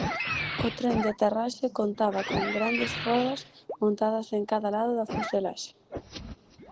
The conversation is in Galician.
O tren de aterraxe contaba con grandes rodas montadas en cada lado da fuselaxe.